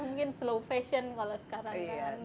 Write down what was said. mungkin slow fashion kalau sekarang ya